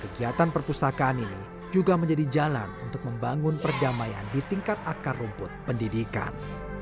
kegiatan perpustakaan ini juga menjadi jalan untuk membangun perdamaian di tingkat akar rumput pendidikan